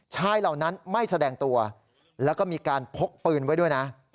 เหล่านั้นไม่แสดงตัวแล้วก็มีการพกปืนไว้ด้วยนะ